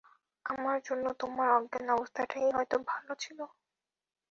আমার জন্য তোমার অজ্ঞান অবস্থাটাই হয়তো ভালো ছিলো।